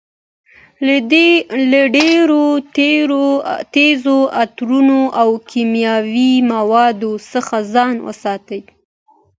له ډېرو تېزو عطرو او کیمیاوي موادو څخه ځان وساتئ.